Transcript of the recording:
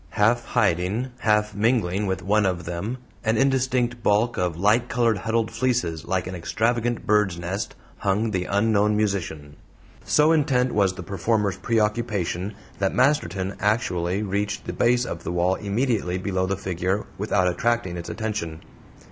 Half hiding, half mingling with one of them an indistinct bulk of light colored huddled fleeces like an extravagant bird's nest hung the unknown musician. So intent was the performer's preoccupation that Masterton actually reached the base of the wall immediately below the figure without attracting its attention.